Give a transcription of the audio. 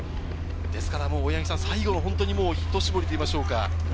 ですから、最後の本当にひと絞りといいましょうか。